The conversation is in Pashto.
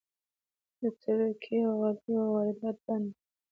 د ترکي غالیو واردات بند دي؟